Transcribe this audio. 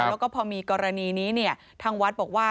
แล้วก็พอมีกรณีนี้เนี่ยทางวัดบอกว่า